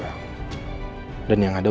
gue yakin penyelidikannya makin berkembang